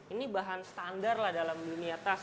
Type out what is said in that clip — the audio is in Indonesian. ini bahan standar lah dalam dunia tas